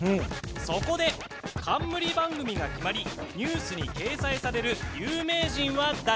そこで、冠番組が決まりニュースに掲載される有名人は誰？